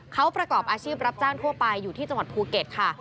เขาประกอบอาชีพรับจ้างทั่วไปอยู่ที่จังหวัดภูเก็ตค่ะ